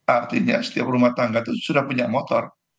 artinya setiap rumah tangga itu sudah punya motor